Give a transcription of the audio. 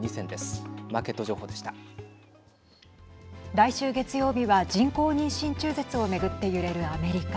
来週月曜日は人工妊娠中絶を巡って揺れるアメリカ。